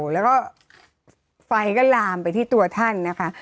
แล้วก็ไฟก็ลามไปที่ตัวท่านนะคะ